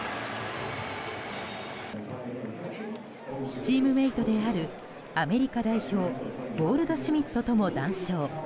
チームメートであるアメリカ代表ゴールドシュミットとも談笑。